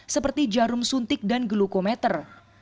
seperti jarum suntik dan glukometer